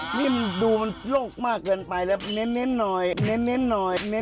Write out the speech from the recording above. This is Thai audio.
นี่พวกนี้จะมาเป็นเจ้าของร้านทำไมวะ